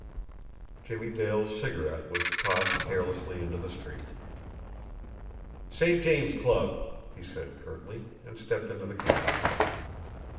Jimmie Dale's cigarette was tossed carelessly into the street. "St. James Club!" he said curtly, and stepped into the cab.